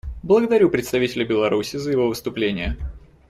Благодарю представителя Беларуси за его выступление.